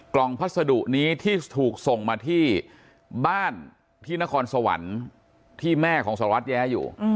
พัสดุนี้ที่ถูกส่งมาที่บ้านที่นครสวรรค์ที่แม่ของสารวัตรแย้อยู่